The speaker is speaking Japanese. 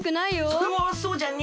それはそうじゃな。